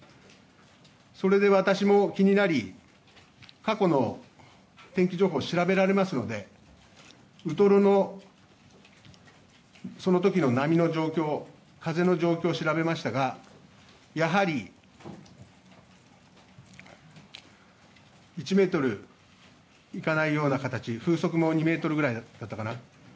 それで、私も気になり過去の天気情報を調べられますのでウトロのその時の波の状況風の状況を調べましたがやはり１ｍいかないような形風速も２メートルぐらいだったかな。